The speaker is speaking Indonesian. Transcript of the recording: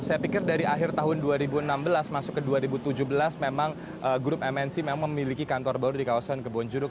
saya pikir dari akhir tahun dua ribu enam belas masuk ke dua ribu tujuh belas memang grup mnc memang memiliki kantor baru di kawasan kebonjuruk